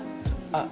あっ